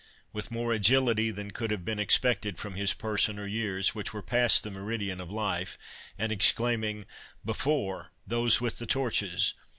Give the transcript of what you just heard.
With more agility than could have been expected from his person or years, which were past the meridian of life, and exclaiming, "Before, those with the torches!"